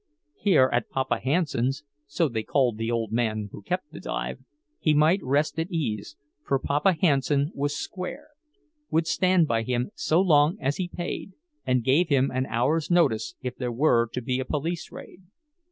Here at "Papa" Hanson's (so they called the old man who kept the dive) he might rest at ease, for "Papa" Hanson was "square"—would stand by him so long as he paid, and gave him an hour's notice if there were to be a police raid.